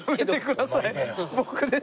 僕です。